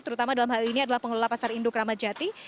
terutama dalam hal ini adalah pengelola pasar induk ramadjati